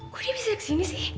kok dia bisa ke sini sih